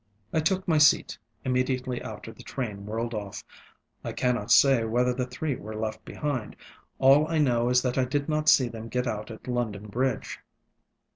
I took my seat. Immediately after the train whirled off. I cannot say whether the three were left behind; all I know is that I did not see them get out at London Bridge.